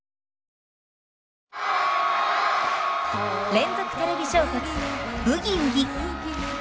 連続テレビ小説「ブギウギ」。